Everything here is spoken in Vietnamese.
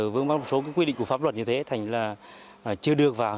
vương mắc một số quy định của pháp luật như thế thành là chưa được vào